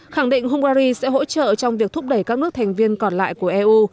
khẳng định hungary sẽ hỗ trợ trong việc thúc đẩy các nước thành viên còn lại của eu